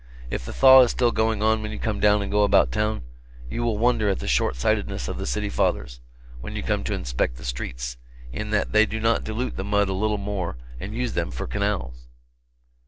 If the thaw is still going on when you come down and go about town, you will wonder at the short sightedness of the city fathers, when you come to inspect the streets, in that they do not dilute the mud a little more and use them for canals.